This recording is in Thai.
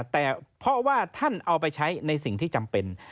แต่เพราะว่าท่านเอาไปใช้ในสิ่งที่จำเป็น